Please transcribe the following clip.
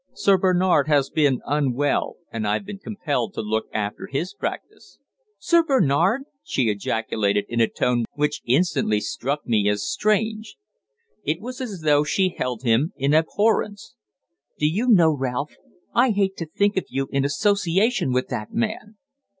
Sir Bernard has been unwell, and I've been compelled to look after his practice." "Sir Bernard!" she ejaculated, in a tone which instantly struck me as strange. It was as though she held him in abhorrence. "Do you know, Ralph, I hate to think of you in association with that man."